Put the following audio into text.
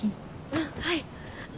あっはい。